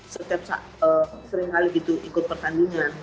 setiap seringkali gitu ikut pertandingan